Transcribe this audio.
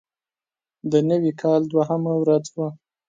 د نوي کال دوهمه ورځ وه.